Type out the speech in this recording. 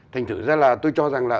thành thử ra là tôi cho rằng là